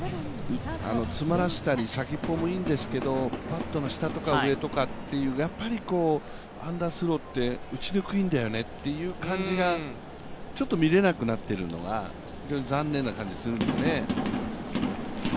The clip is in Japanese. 詰まらせたり、先っぽもいいんですけど、バットの下とか上とかいうやっぱりアンダースローって打ちにくいんだよねという感じがちょっと見れなくなっているのが非常に残念な感じがするので。